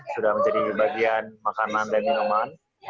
sudah menjadi bagian makanan dan minuman